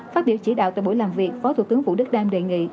phát biểu chỉ đạo tại buổi làm việc phó thủ tướng vũ đức đam đề nghị